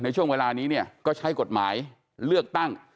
ในช่วงเวลานี้ก็ใช้กฎหมายเลือกตั้ง